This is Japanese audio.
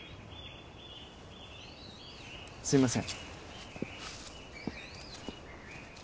すいません。